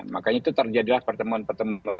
makanya itu terjadilah pertemuan pertemuan